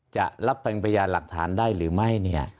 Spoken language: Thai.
จะรับแปลงประยาห์หลักฐานได้หรือไม่เนี่ย